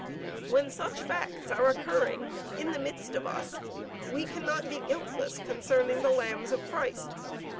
When such facts are occurring in the midst of us, we cannot be guiltless concerning the lambs of Christ.